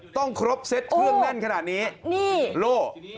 ต้องครบเซตเครื่องแน่นขนาดนี้นี่โล่